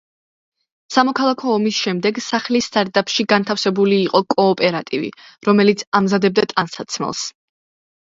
სამოქალაქო ომის შემდეგ სახლის სარდაფში განტავსებული იყო კოოპერატივი, რომელიც ამზადებდა ტანსაცმელს.